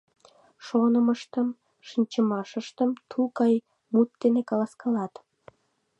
Шонымыштым, шинчымашыштым тул гай мут дене каласкалат.